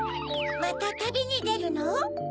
またたびにでるの？